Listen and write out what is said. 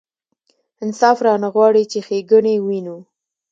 انصاف رانه غواړي چې ښېګڼې وینو.